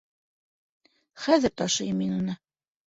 Хәҙер ташыйым мин уны!